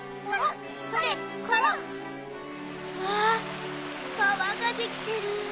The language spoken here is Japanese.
かわができてる。